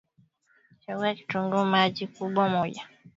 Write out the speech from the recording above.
Chagua kitunguu maji kikubwa moja